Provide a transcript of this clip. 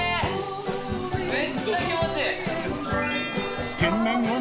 めっちゃ気持ちいい。